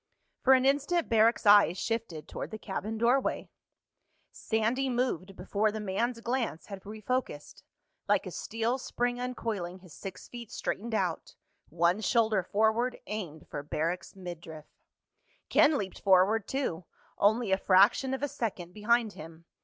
For an instant Barrack's eyes shifted toward the cabin doorway. Sandy moved before the man's glance had refocused. Like a steel spring uncoiling, his six feet straightened out—one shoulder forward, aimed for Barrack's midriff. Ken leaped forward too, only a fraction of a second behind him.